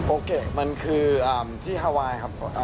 โอเคคือที่ฮาวัย